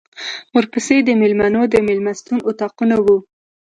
ورپسې د مېلمنو د مېلمستون اطاقونه وو.